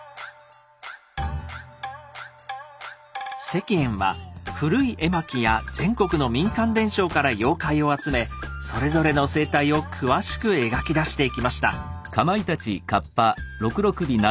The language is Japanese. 石燕は古い絵巻や全国の民間伝承から妖怪を集めそれぞれの生態を詳しく描き出していきました。